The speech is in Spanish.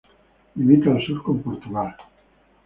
Limita al sur con Portugal.